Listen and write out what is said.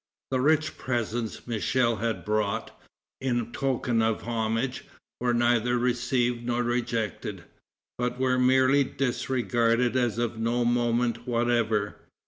The rich presents Michel had brought, in token of homage, were neither received nor rejected, but were merely disregarded as of no moment whatever.